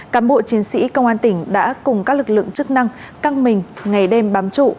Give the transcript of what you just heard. cán bộ chiến sĩ công an tỉnh đã cùng các lực lượng chức năng căng mình ngày đêm bám trụ